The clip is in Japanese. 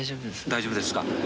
大丈夫ですか？